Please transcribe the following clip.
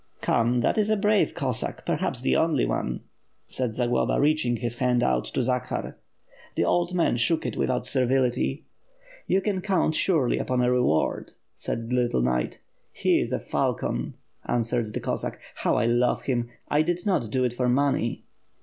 '* "Come, that is a brave Cossack, perhaps the only one," said Zagloba, reaching his hand out to Zakhar. The old man shook it without servility. "You can count surely upon a reward," said the little knight. "He is a falcon!" answered the Cossack, "Jiow I love him! I did not do this for money."